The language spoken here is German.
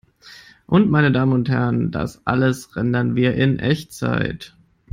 Und, meine Damen und Herren, das alles rendern wir in Echtzeit!